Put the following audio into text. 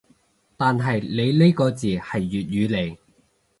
但係你呢個字係粵語嚟